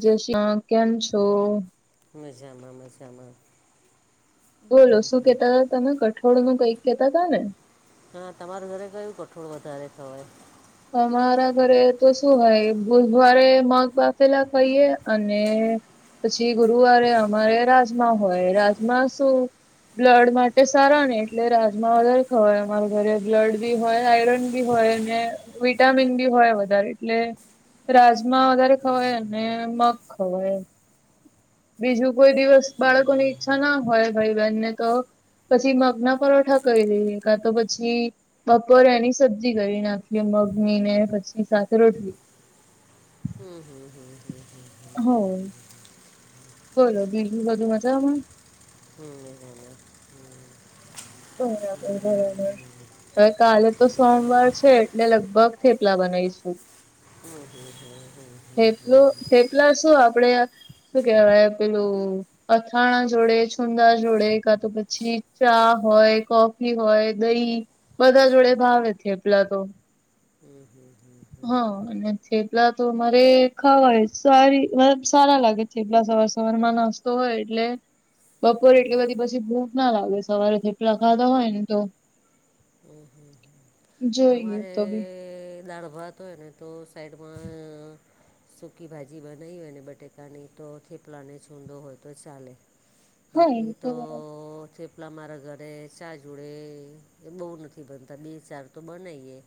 જય શ્રી કૃષ્ણ કેમ છો? મજામાં મજામાં. બોલો હમ, શું હમ. કેતાતા તમે કઠોળ નું કઈક કેતાતા ને? હા તમાર ઘરે કયું કઠોળ વધારે ખવાય? અમારા ઘરે તો શું હોય બુધવારે મગ બાફેલા ખાઈએ અને પછી ગુરુવારે અમારે રાજમા હોય રાજમા શું બ્લડ માટે સારાને એટલે રાજમા વધારે ખવાય અમારા ઘરે બ્લડ બી હોય આયરન બી હોય વિટામિન બી હોય વધારે એટલે રાજમા વધારે ખવાય અને મગ ખવાય. બીજું કોઈ દિવસ હમ, હમ. બાળકોની ઈચ્છા ના હોય ભાઈ બહેનને તો પછી મગના પરોઠા કરી દઈ કા તો પછી બપોરે એની સબ્જી કરી નાખી મગની ને પછી સાથે રોટલી. હમ હમ હમ હમ હમ. હમમ, બોલો બીજું બધું મજામાં? હમ મજામાં, હમ. બરાબર બરાબર. હવે કાલે તો સોમવાર છે એટલે લગભગ થેપલા બનાવીશું. હમ હમ હમ હમ. હમ. હમ. થેપલું થેપલા શું આપણે, આ શું કેવાય પેલું અથાણા જોડે છુંદા જોડે કા તો પછી ચા હોય કોફી હોય દહી. બધા જોડે ભાવે છે થેપલા તો હા અને થેપલા તો હવે ખવાય સારી મતલબ સારા લાગે છે એટલા સવાર સવારમાં નાસ્તો હોય એટલે બપોરે એટલે બધી પછી ભૂખ ના લાગે સવારે થેપલા ખાધા હોય ને તો હમ હમ હમ. જોઈએ અમારે તો ભી દાળ ભાત હોય ને તો સાઈડમાં. સૂકી ભાજી બનાવી હોય ને બટેકાની તો થેપલાને છુંદો હોય તો ચાલે હા એ બાકી તો થેપ તમારા ઘરે ચાહ જોડે એ બહુ નથી બનતા બે ચાર તો બનાવીએ.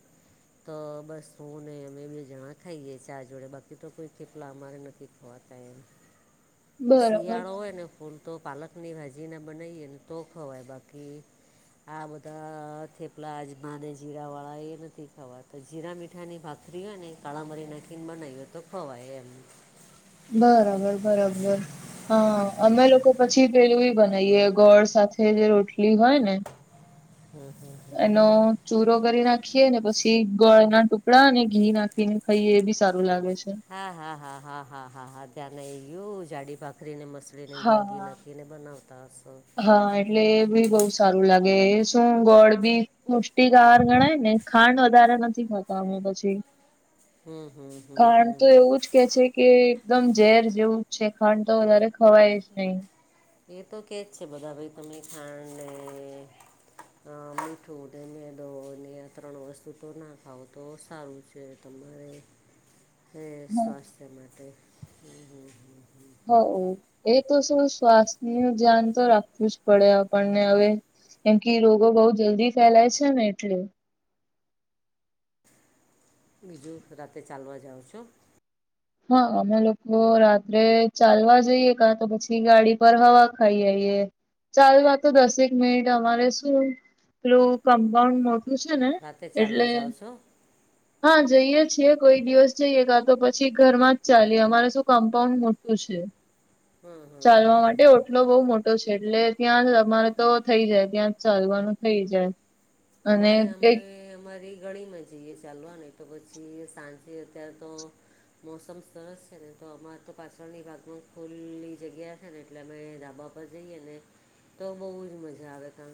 તો બસ હું ને અમે બે જણા ખાઈએ ચા જોડે બાકી તો કોઈ ન અમારે નથી ખવાતા એમ [inaudible] શિયાળો હોય ને ફૂલ તો પાલકની ભાજીને બનાવીએ ને તો ખવાય બાકી આ બધા થેપલા અજમાને જીરા વાળા એ નથી ખાવાત તો જીરા મીઠાની પાથરી હોય ને કાળા મરી નાખીને બનાવી હોય તો ખવાય એમ. બરાબર બરાબર. હા અમે લોકો પછી પેલું બનાવીએે ગોળ સાથે જે રોટલી હોય ને. હમ્મ હમ્મ. એનો. ચૂરો કરી નાખીએ ને પછી ગળ ના ટુકડા અને ઘી નાખીને ખાઈએ એ બી સારું લાગે છે. હા હા હા હા હા હા હા ધ્યાંને ગયું જાડી ભાખરી ને મસ્ત ચટણી ને ગોળગી હા નાખીને બનાવતા હોશો. હા એટલે એ બી બહુ સારું લાગે શું ગોળ બી ખુષ્ટિકાર ગણાય ને. ખાંડ વધારે નથી ખાતા અમે પછી હમ હમ હમ ખાંડ હમ તો એવું જ કે છે કે એકદમ ઝેર જેવું છે ખાંડ તો વધારે ખવાય જ નહી. એ તો કેજ છે બધા ભાઈ તમે ખાંડને અ મીઠું ને મેદો અને આ ત્રણ વસ્તુ તો ના ખાવ તો સારું છે. તમારે. [inaudible] તે સ્વાસ્થ્ય માટે હ હ. હ એ તો શું શ્વાસ્થ ન ધ્યાન તો રાખવું જ પડે આપણને હવે. કેમ કે રોગો બહુ જલ્દી ફેલાય છે ને એટલે બીજું રાતે ચાલવા જાઓં છો. હા અમે લોકો રાત્રે ચાલવા જઈએ કા તો પછી ગાડી પર હવા ખાઈ આઈએ. ચાલ વાત તો દસેક મિનિટ અમારે શું પેલું કમ્પાઉન્ડ મો શું છે ને રાતે ચાલવા એટલે. જાઓ છો હા જઈએે છીએ કોઈ દિવસ જઈએ ગા તો પછી. ઘર માં જ ચાલી અમારે શું કમ્પાઉન્ડ મોટું છે. હં હં ચાલવા હં માટે ઓટલો બહુ મોટો તો છે એટલે ત્યાં જ અમારે તો થઈ જાય ત્યાં ચાલવાનું થઈ જાય. અને અમારે એક અમે અમારી ઘણી મજ જીએ ચાલવા ને તો પછી સાંજે અત્યારે તો મોસમ સરસ છે ને તો અમારે તો પાછળની ભાગમાં ખુલ્લી જગ્યા ને એટલે અમે ડાબા પર જઈએ ને તો બહુ જ મજા આવે તણ